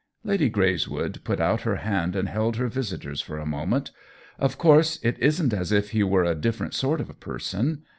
Lady Greyswood put out her hand and held her visitor's for a moment. "Of course it isn't as if he were a different sort of person.